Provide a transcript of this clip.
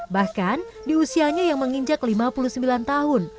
bahkan di usianya yang menginjak lima puluh sembilan tahun